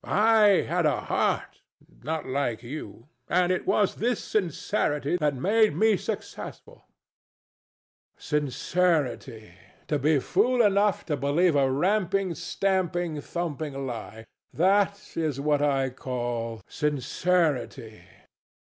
I had a heart: not like you. And it was this sincerity that made me successful. DON JUAN. Sincerity! To be fool enough to believe a ramping, stamping, thumping lie: that is what you call sincerity!